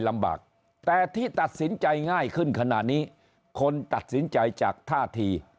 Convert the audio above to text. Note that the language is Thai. ลำบากแต่ที่ตัดสินใจง่ายขึ้นขณะนี้คนตัดสินใจจากท่าที